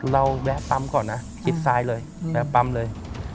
เราแบบพร้อมก่อนนะคิดซ้ายเลยแบบพร้อมเลย